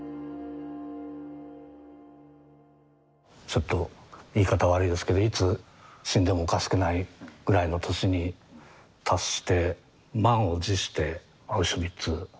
ちょっと言い方悪いですけどいつ死んでもおかしくないぐらいの年に達して満を持してアウシュビッツやるかっていう。